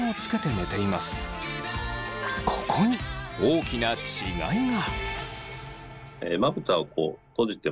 ここに大きな違いが！